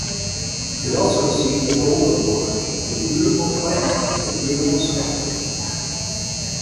It also received a Gold Award in Beautiful Fife and Beautiful Scotland.